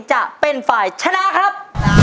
จะเป็นฝ่ายชนะครับ